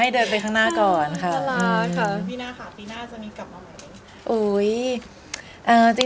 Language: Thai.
ค่ะพี่น่าค่ะปีหน้าจะมีกลับมาใหม่ไหม